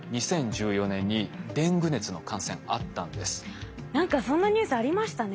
実は何かそんなニュースありましたね。